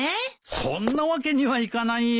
そんなわけにはいかないよ。